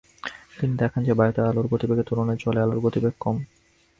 তিনি দেখান যে বায়ুতে আলোর গতিবেগের তুলনায় জলে আলোর গতিবেগ কম।